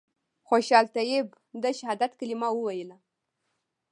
خوشحال طیب د شهادت کلمه ویله.